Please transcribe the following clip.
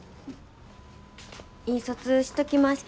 印刷しときました。